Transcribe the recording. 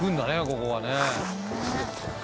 ここはね」